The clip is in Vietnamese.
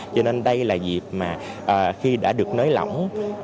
cho nên đây là dịp mà khi đã được nới lỏng